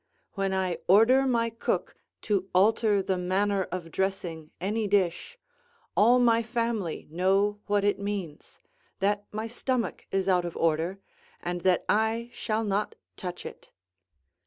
When I order my cook to alter the manner of dressing any dish, all my family know what it means, that my stomach is out of order, and that I shall not touch it.